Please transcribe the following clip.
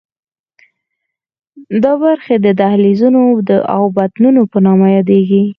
دا برخې د دهلیزونو او بطنونو په نامه یادېږي.